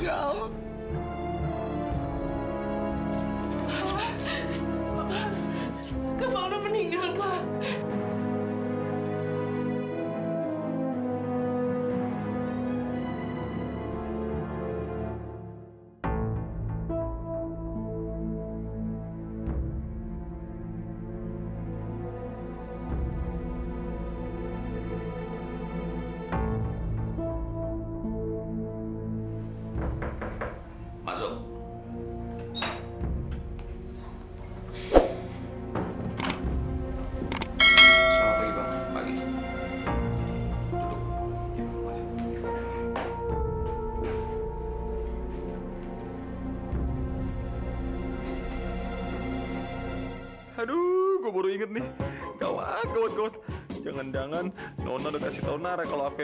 aduh gue baru inget nih gawat gawat jangan jangan nono kasih tahu nara kalau